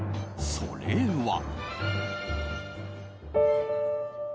それは。